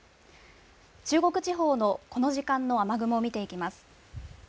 中国地方の、この時間の雨雲を見ていきます。